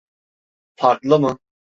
Farklı mı?